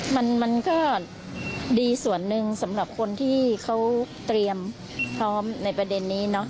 มันก็ดีส่วนหนึ่งสำหรับคนที่เขาเตรียมพร้อมในประเด็นนี้เนอะ